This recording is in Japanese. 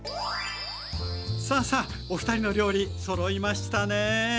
さあさあおふたりの料理そろいましたね。